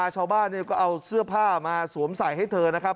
ชาวบ้านก็เอาเสื้อผ้ามาสวมใส่ให้เธอนะครับ